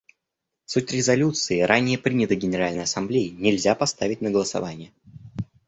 Суть резолюции, ранее принятой Генеральной Ассамблеей, нельзя поставить на голосование.